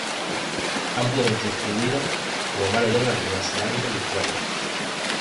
Ampliamente distribuida como mala hierba en Nueva Zelanda y Australia.